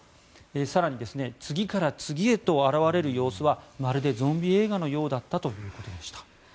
更に、次から次へと現れる様子はまるでゾンビ映画のようだったということでした。